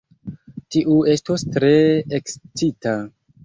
Tiu estos tre ekscita!